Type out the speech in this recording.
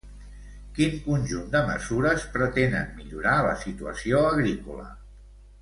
Quin conjunt de mesures pretenen millorar la situació agrícola?